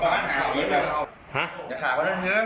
ฮะอยากฆ่าคน